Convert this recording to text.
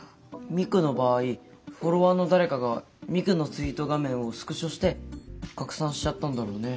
ミクの場合フォロワーの誰かがミクのツイート画面をスクショして拡散しちゃったんだろうね。